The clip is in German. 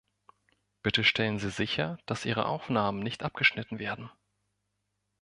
Bitte stellen Sie sicher, dass Ihre Aufnahmen nicht abgeschnitten werden.